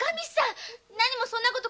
何もそんな事